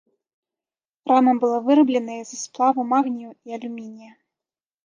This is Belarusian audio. Рама была вырабленай з сплаву магнію і алюмінія.